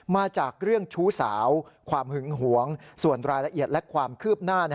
มาจากเรื่องชู้สาวความหึงหวงส่วนรายละเอียดและความคืบหน้า